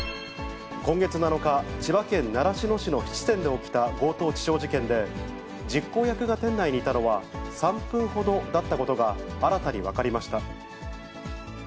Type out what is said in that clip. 今月７日、千葉県習志野市の質店で起きた強盗致傷事件で、実行役が店内にいたのは３分ほどだったことが新たに分かりました。